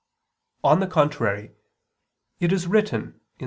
On the contrary, It is written (Ps.